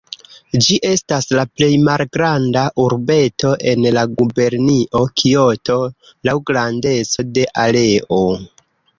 Ĝi estas la plej malgranda urbeto en la gubernio Kioto laŭ grandeco de areo.